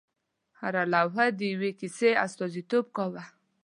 هره لوحه د یوې کیسې استازیتوب کاوه.